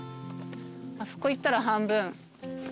あそこ行ったら半分。